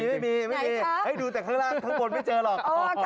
ไม่มีไม่มีให้ดูแต่ข้างล่างข้างบนไม่เจอหรอก